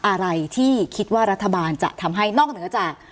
อะไรที่คิดว่ารัฐบาลจะทำให้นอกเหนือจาก